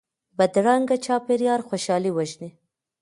بدرنګه چاپېریال خوشحالي وژني